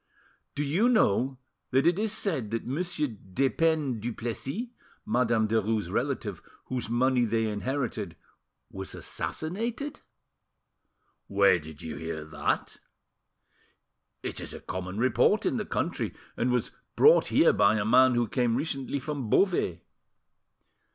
Do you know that it is said that Monsieur Despeignes Duplessis, Madame Derues' relative, whose money they inherited, was assassinated?" "Where did you hear that?" "It is a common report in the country, and was brought here by a man who came recently from Beauvais."